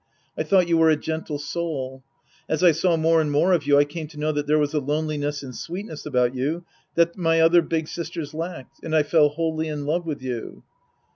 I thought you were a gentle soul. As I saw more and more of you, I came to know that there was a loneliness and sweetness about you that my other big sisters lacked. And I fell wholly in love with you.